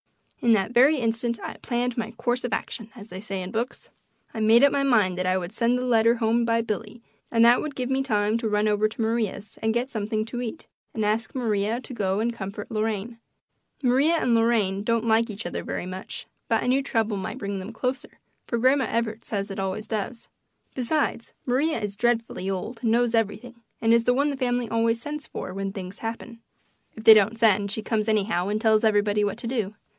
In that very instant I "planned my course of action," as they say in books. I made up my mind that I would send the letter home by Billy, and that would give me time to run over to Maria's and get something to eat and ask Maria to go and comfort Lorraine. Maria and Lorraine don't like each other very much, but I knew trouble might bring them closer, for Grandma Evarts says it always does. Besides, Maria is dreadfully old and knows everything and is the one the family always sends for when things happen. If they don't send she comes anyhow and tells everybody what to do.